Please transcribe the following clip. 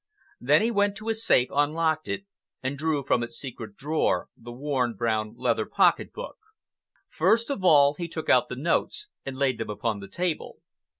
Then he went to his safe, unlocked it, and drew from its secret drawer the worn brown leather pocket book. First of all he took out the notes and laid them upon the table.